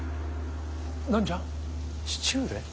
何じゃ。